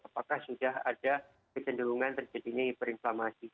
apakah sudah ada kecenderungan terjadinya hiperinflamasi